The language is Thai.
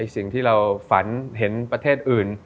สิ่งที่เราฝันเห็นประเทศอื่น